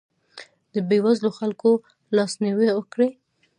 د بېوزلو خلکو لاسنیوی وکړئ.